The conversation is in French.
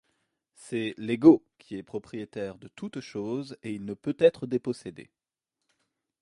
C'est l'Ego qui est propriétaire de toute chose, et il ne peut être dépossédé.